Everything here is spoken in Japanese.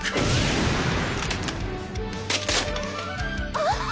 あっ！